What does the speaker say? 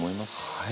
はい。